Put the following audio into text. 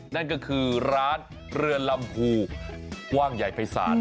นั่นก็คือร้านเรือนลำพูกว้างใหญ่ภัยศาล